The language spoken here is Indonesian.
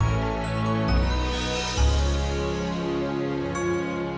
terima kasih dokter